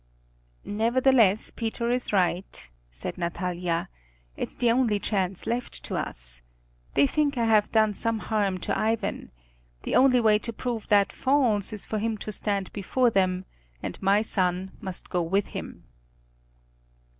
"Nevertheless Peter is right," said Natalia. "It's the only chance left to us. They think I have done some harm to Ivan. The only way to prove that false is for him to stand before them, and my son must go with him."